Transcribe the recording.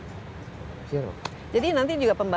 jadi nanti juga pembangunannya bisa berubah